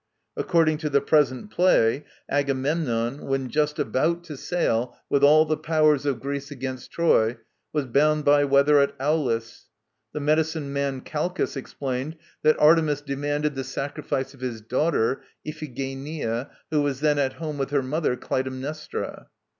According to the present play, Agamemnon, when just about to sail with all the powers of Greece against Troy, was bound by weather at Aulis. The medicine man Calchas explained that Artemis demanded the sacrifice of his daughter, Iphigenia, who was then at home with her mother, Clytemnestra.